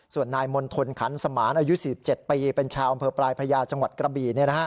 ส่วนนายมณฑลขันสมานอายุ๔๗ปีเป็นชาวอำเภอปลายพระยาจังหวัดกระบี่